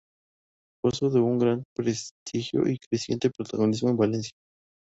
Gozó de un gran prestigio y creciente protagonismo en Valencia.